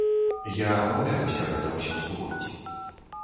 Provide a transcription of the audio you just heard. Я адмаўляюся гэта ўсё слухаць.